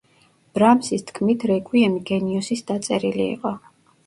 ბრამსის თქმით რეკვიემი გენიოსის დაწერილი იყო.